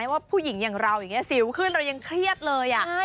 ว่าผู้หญิงอย่างเราอย่างนี้สิวขึ้นเรายังเครียดเลย